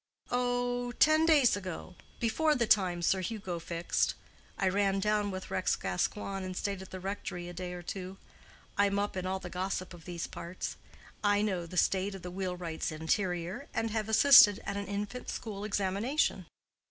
"Oh, ten days ago; before the time Sir Hugo fixed. I ran down with Rex Gascoigne and stayed at the rectory a day or two. I'm up in all the gossip of these parts; I know the state of the wheelwright's interior, and have assisted at an infant school examination.